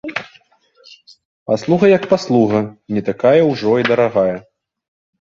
Паслуга як паслуга, не такая ўжо і дарагая.